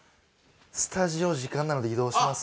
「スタジオ時間なので移動します」。